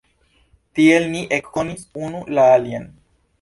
Tiel ni ekkonis unu la alian.